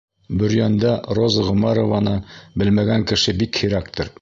Бөрйәндә Роза Ғүмәрованы белмәгән кеше бик һирәктер.